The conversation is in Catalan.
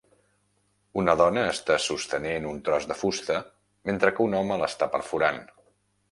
una dona està sostenen un tros de fusta mentre que un home l'està perforant.